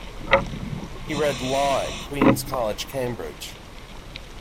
He read Law at Queens' College, Cambridge.